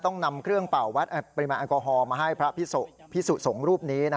ต้องนำเครื่องเปล่าพริมายแอลกอฮอลมาให้พระพิสูงรูปนี้นะฮะ